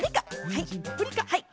はい。